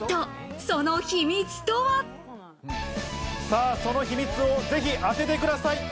さぁその秘密をぜひ当ててください。